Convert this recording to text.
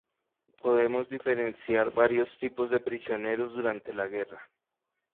Podemos diferenciar varios tipos de prisioneros durante la Guerra.